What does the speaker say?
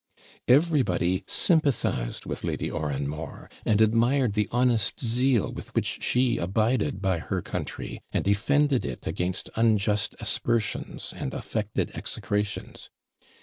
Everybody sympathised with Lady Oranmore, and admired the honest zeal with which she abided by her country, and defended it against unjust aspersions and affected execrations.